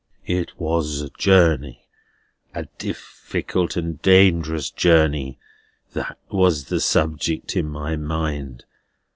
"It was a journey, a difficult and dangerous journey. That was the subject in my mind.